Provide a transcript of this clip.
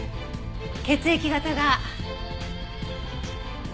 血液型が。